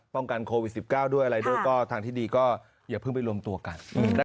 กันโควิด๑๙ด้วยอะไรด้วยก็ทางที่ดีก็อย่าเพิ่งไปรวมตัวกัน